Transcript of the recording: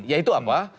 ya itu apa